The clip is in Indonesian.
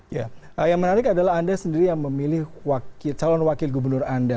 ya yang menarik adalah anda sendiri yang memilih calon wakil gubernur anda